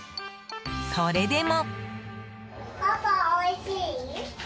それでも。